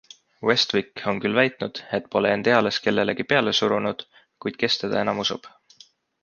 Westwick on küll väitnud, et pole end eales kellelegi peale surunud, kuid kes teda enam usub.